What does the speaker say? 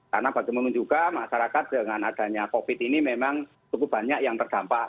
karena bagaimana juga masyarakat dengan adanya covid ini memang cukup banyak yang terdampak